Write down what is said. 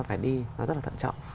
phải đi nó rất là thận trọng